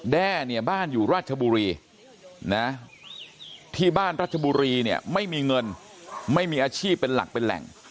แด้เนี่ยบ้านอยู่ราชบุรีนะที่บ้านรัชบุรีเนี่ยไม่มีเงินไม่มีอาชีพเป็นหลักเป็นแหล่ง